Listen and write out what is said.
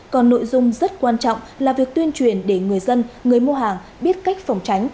còn nội dung rất quan trọng là việc tuyên truyền để người dân người mua hàng biết cách phòng tránh